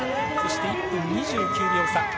そして１分２９秒差。